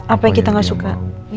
apa yang kita gak suka